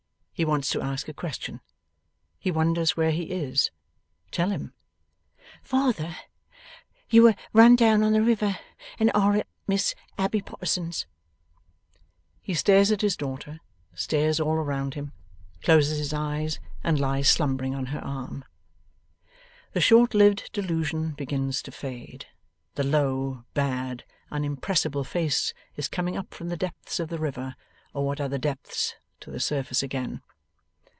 He wants to ask a question. He wonders where he is. Tell him. 'Father, you were run down on the river, and are at Miss Abbey Potterson's.' He stares at his daughter, stares all around him, closes his eyes, and lies slumbering on her arm. The short lived delusion begins to fade. The low, bad, unimpressible face is coming up from the depths of the river, or what other depths, to the surface again.